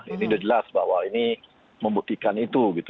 ini sudah jelas bahwa ini membuktikan itu gitu